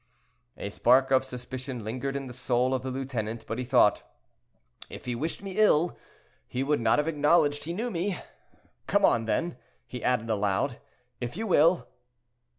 A spark of suspicion lingered in the soul of the lieutenant, but he thought; "If he wished me ill, he would not have acknowledged he knew me. Come on then!" he added aloud, "if you will."